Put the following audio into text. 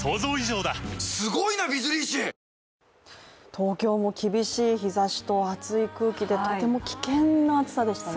東京も厳しい日ざしと熱い空気でとても危険な暑さでしたね。